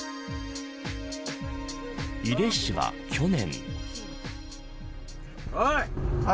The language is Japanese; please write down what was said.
井手氏は去年。